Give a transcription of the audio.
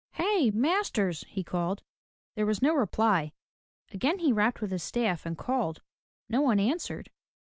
"Hey, masters!" he called. There was no reply. Again he rapped with his staff and called. No one answered.